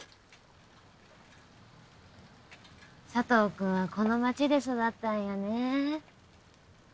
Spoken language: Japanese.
佐藤君はこの街で育ったんやねぇ。